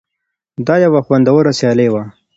دا یوه خوندوره سیالي وه.